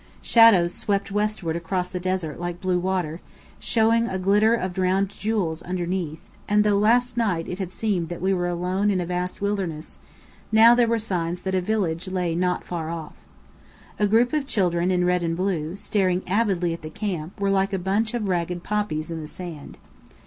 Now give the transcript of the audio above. Shadows swept westward across the desert like blue water, showing a glitter of drowned jewels underneath; and though last night it had seemed that we were alone in a vast wilderness, now there were signs that a village lay not far off. A group of children in red and blue, staring avidly at the camp, were like a bunch of ragged poppies in the sand.